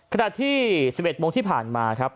ขณะที่๑๑โมงที่ผ่านมาครับ